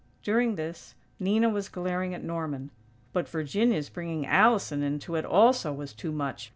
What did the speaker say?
During this, Nina was glaring at Norman; but Virginia's bringing Allison into it, also, was too much.